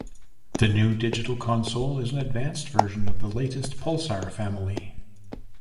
The new digital console is an advanced version of the latest Pulsar family.